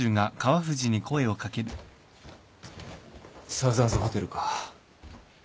サウザンズホテルか。